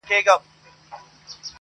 د غزل د زلفو تار کي يې ويده کړم_